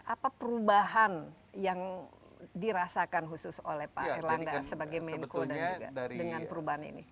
apa perubahan yang dirasakan khusus oleh pak erlangga sebagai menko dan juga dengan perubahan ini